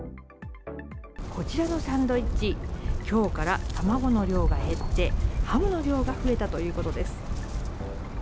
こちらのサンドイッチ、きょうから卵の量が減って、ハムの量が増えたということです。